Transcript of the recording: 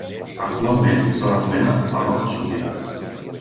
Actualment se l’anomena panot Súria.